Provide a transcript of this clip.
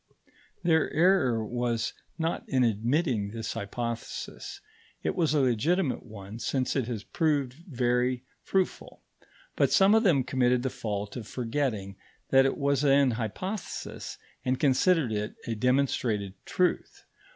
Their error was not in admitting this hypothesis; it was a legitimate one since it has proved very fruitful. But some of them committed the fault of forgetting that it was an hypothesis, and considered it a demonstrated truth.